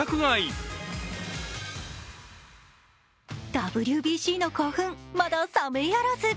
ＷＢＣの興奮まだ冷めやらず。